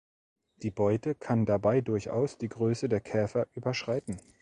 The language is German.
Die Beute kann dabei durchaus die Größe der Käfer überschreiten.